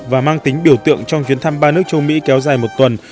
và mang tính biểu tượng trong chuyến thăm ba nước châu mỹ kéo dài một tuần